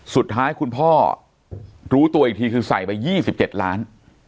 สุดท้ายคุณพ่อรู้ตัวอีกทีคือใส่ไป๒๗ล้าน